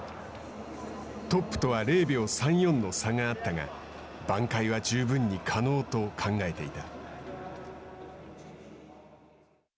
トップとは０秒３４の差があったが挽回は十分に可能と考えていた。